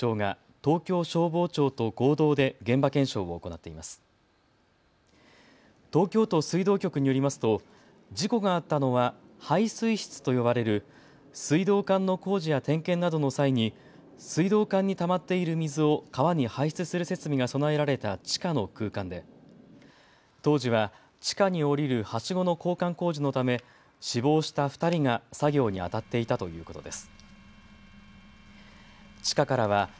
東京都水道局によりますと事故があったのは排水室と呼ばれる水道管の工事や点検などの際に水道管にたまっている水を川に排出する設備が備えられた地下の空間で当時は地下に降りるはしごの交換工事のため死亡した２人が作業にあたっていたということです。